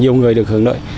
nhiều người được hưởng lợi